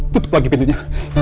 tutup lagi pintunya